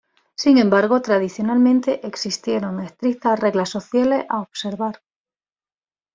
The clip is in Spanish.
Sin embargo, tradicionalmente existieron estrictas reglas sociales a observar.